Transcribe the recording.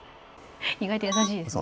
意外と優しいんですね。